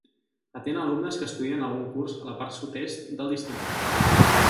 Atén a alumnes que estudien algun curs a la part sud-est del districte.